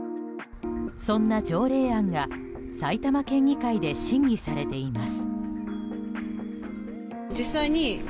そんな条例案が埼玉県議会で審議されています。